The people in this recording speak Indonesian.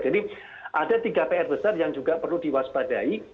jadi ada tiga pr besar yang juga perlu diwaspadai